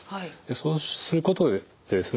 そうすることでですね